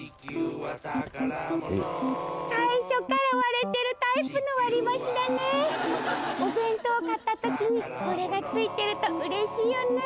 最初から割れてるタイプの割り箸だねお弁当買った時にこれがついてると嬉しいよね